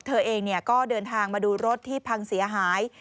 เธอเองก็เดินทางมาดูรถที่พังเสียหาย